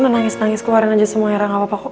lo nangis nangis keluarin aja semua era gak apa apa kok